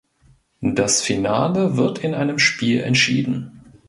Das Finale wird in einem Spiel entschieden.